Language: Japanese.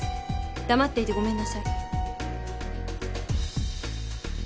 黙っていてごめんなさい。